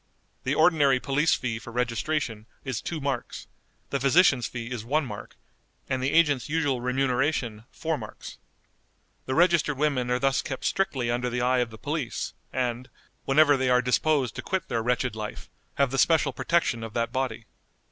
The ordinary police fee for registration is two marks, the physician's fee is one mark, and the agent's usual remuneration four marks. The registered women are thus kept strictly under the eye of the police, and, whenever they are disposed to quit their wretched life, have the special protection of that body.